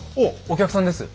お客さんです。